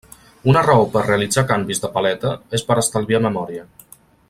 Una raó per realitzar canvis de paleta és per estalviar memòria.